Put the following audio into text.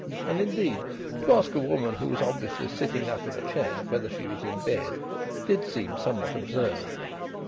And, indeed, to ask a woman who was obviously sitting up in a chair whether she was in bed, did seem somewhat absurd.